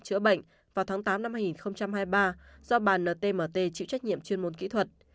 chữa bệnh vào tháng tám năm hai nghìn hai mươi ba do bà ntmt chịu trách nhiệm chuyên môn kỹ thuật